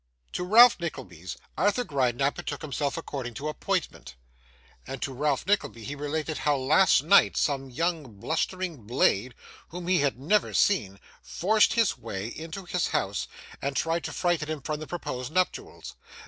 To Ralph Nickleby's, Arthur Gride now betook himself according to appointment; and to Ralph Nickleby he related how, last night, some young blustering blade, whom he had never seen, forced his way into his house, and tried to frighten him from the proposed nuptials.